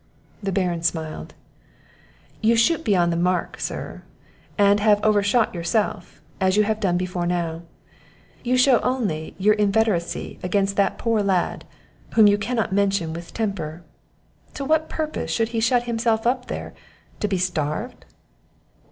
The Baron smiled. "You shoot beyond the mark, sir, and overshoot yourself, as you have done before now; you shew only your inveteracy against that poor lad, whom you cannot mention with temper. To what purpose should he shut himself up there, to be starved?"